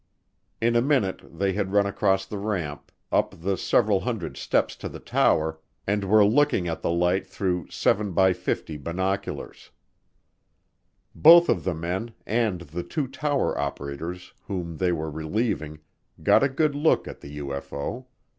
In a minute they had run across the ramp, up the several hundred steps to the tower, and were looking at the light through 7x50 binoculars. Both of the men, and the two tower operators whom they were relieving, got a good look at the UFO.